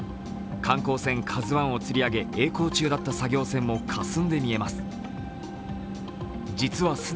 観光船「ＫＡＺＵⅠ」をつり上げえい航中だった作業船もかすんで見えます。